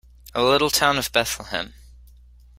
O little town of Bethlehem.